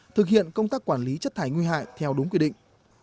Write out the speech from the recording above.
thực hiện công tác quản lý chất thải nguy hại theo đúng quy định